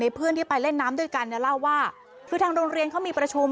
เพื่อนที่ไปเล่นน้ำด้วยกันเนี่ยเล่าว่าคือทางโรงเรียนเขามีประชุม